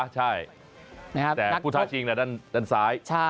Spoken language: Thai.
ใช่แต่ผู้ท้าชิงด้านซ้าย